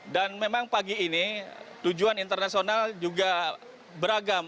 dan memang pagi ini tujuan internasional juga beragam